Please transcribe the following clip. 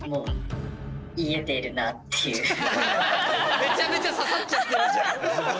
めちゃめちゃ刺さっちゃってるじゃん。